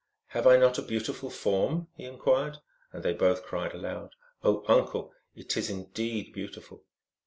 " Have I not a beautiful form ?" he inquired ; and they both cried aloud, " Oh, uncle, it is indeed beautiful